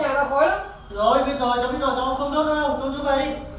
cháu rút về đi nha